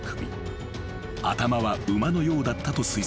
［頭は馬のようだったと推測される］